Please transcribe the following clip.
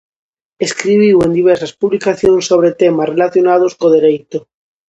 Escribiu en diversas publicacións sobre temas relacionados co dereito.